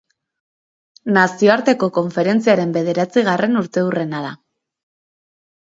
Nazioarteko konferentziaren bederatzigarren urteurrena da.